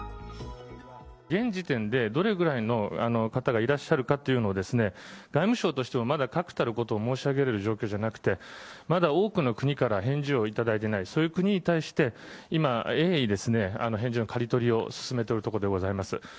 現時点でどれぐらいの方がいらっしゃるかというのは、外務省としてはまだ確たることを申し上げる状況じゃなくて、まだ多くの国から返事をいただいていない、そういう国に対して、今、鋭意、返事の刈り取りを進めておるところでございます。